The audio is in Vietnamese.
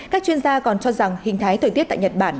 các chuyên gia còn cho rằng hình thái thời tiết tại nhật bản